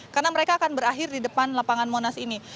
karena mereka akan berakhir di depan lapangan monas ini